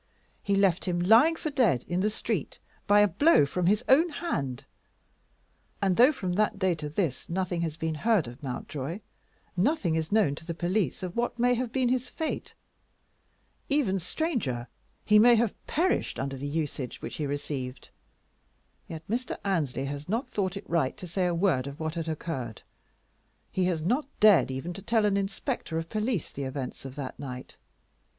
He left him lying for dead in the street by a blow from his own hand; and though from that day to this nothing has been heard of Mountjoy, nothing is known to the police of what may have been his fate; even stranger, he may have perished under the usage which he received, yet Mr. Annesley has not thought it right to say a word of what had occurred. He has not dared even to tell an inspector of police the events of that night.